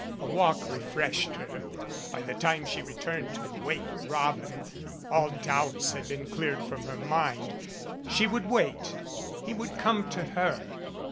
A walk refreshed her. By the time she returned to "Wake Robin" all doubts had been cleared from her mind. She would wait. He would come to her.